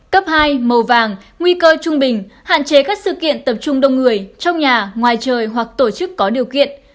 cấp hai màu vàng nguy cơ trung bình hạn chế các sự kiện tập trung đông người trong nhà ngoài trời hoặc tổ chức có điều kiện